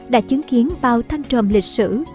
đã chứng kiến bao thanh trầm lịch sử